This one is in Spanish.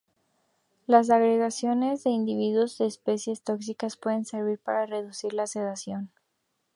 Las agregaciones de individuos de especies tóxicas pueden servir para reducir la predación.